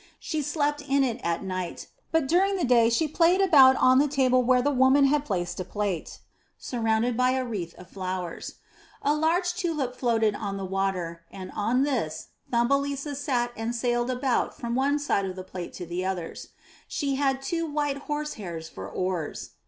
She slept in it at night, but 414 UP ONE PAIR OF STAIRS during the day she played about on the table where the woman had placed a plate, surrounded by a wreath of flowers. A large tulip floated on the water, and on this little Thumbelisa sat and sailed about from one side of the plate to the others; she had two white horse hairs for oars.